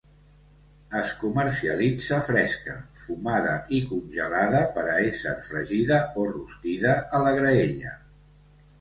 Es comercialitza fresca, fumada i congelada per a ésser fregida o rostida a la graella.